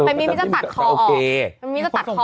ไปมีมีจะตัดคอออก